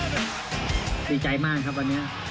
ดีใจมากครับวันนี้